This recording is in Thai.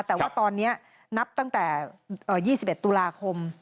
แต่ว่าตอนนี้นับตั้งแต่๒๑ตุลาคม